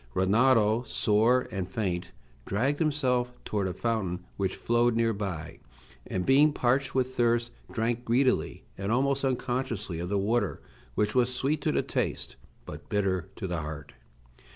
Rinaldo, sore and faint, dragged himself toward a fountain which flowed near by, and, being parched with thirst, drank greedily and almost unconsciously of the water, which was sweet to the taste, but bitter to the heart.